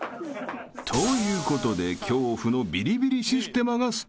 ［ということで恐怖のビリビリシステマがスタート］